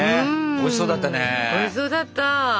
おいしそうだった。